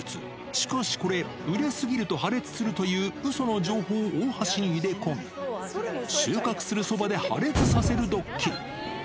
しかしこれ、熟れ過ぎると破裂するといううその情報を大橋に入れ込み、収穫するそばで破裂させるドッキリ。